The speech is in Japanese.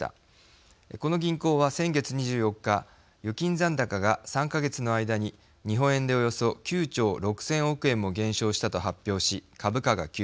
この銀行は先月２４日預金残高が３か月の間に日本円でおよそ９兆６，０００億円も減少したと発表し株価が急落。